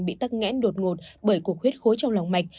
bị tắc nghẽn đột ngột bởi cục huyết khối trong lòng mạch